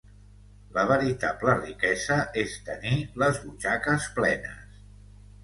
La veritable riquesa és tenir les butxaques plenes.